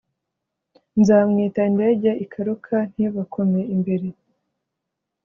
nzamwita Indege ikaruka ntibakome imbere